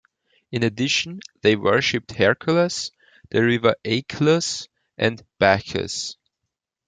In addition, they worshiped Hercules, the river Achelous and Bacchus.